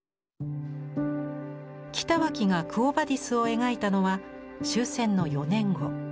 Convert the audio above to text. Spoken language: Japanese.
北脇が「クォ・ヴァディス」を描いたのは終戦の４年後。